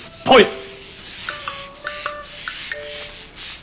はい。